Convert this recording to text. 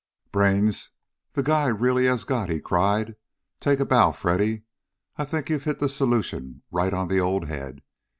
"Brains the guy really has got!" he cried. "Take a bow, Freddy. I think you've hit the solution right on the old head.